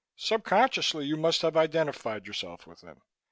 Subconsciously you must have identified yourself with him.